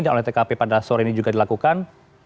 dan oleh tkp pada sore ini juga dilakukan